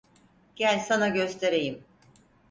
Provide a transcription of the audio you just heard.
Gel, sana göstereyim.